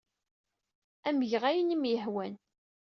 Ad am-geɣ ayen ay am-yehwan.